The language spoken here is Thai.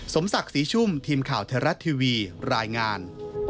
สมศักดิ์ศรีชุ่มทีมข่าวไทยรัฐทีวีรายงาน